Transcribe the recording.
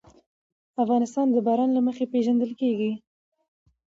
افغانستان د باران له مخې پېژندل کېږي.